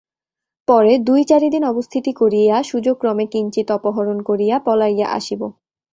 পরে দুই চারি দিন অবস্থিতি করিয়া সুযোগক্রমে কিঞ্চিৎ অপহরণ করিয়া পলাইয়া আসিব।